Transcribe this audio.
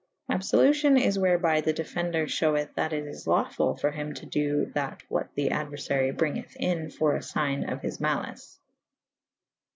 Abfolucyon is wherby the defendour fheweth that it is laufull ' for hym to do that what the aduerfary bryngeth in for a figne of his malyce.